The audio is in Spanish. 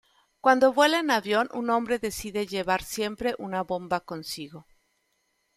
Cuando vuela en avión, un hombre decide llevar siempre una bomba consigo.